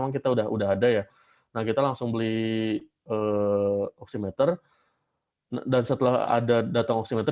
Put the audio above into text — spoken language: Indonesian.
kita sudah ada ya kita langsung beli oximeter dan setelah ada datang oximeter